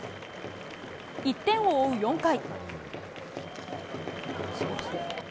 １点を追う４回。